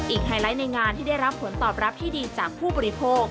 ไฮไลท์ในงานที่ได้รับผลตอบรับที่ดีจากผู้บริโภค